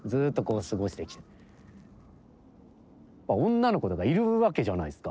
女の子とかいるわけじゃないっすか。